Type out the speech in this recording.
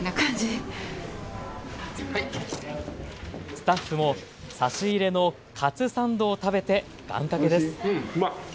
スタッフも差し入れのカツサンドを食べて願かけです。